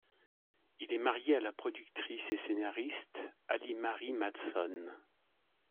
Il est marié à la productrice et scénariste Ali Marie Matheson.